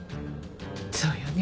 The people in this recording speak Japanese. そうよね。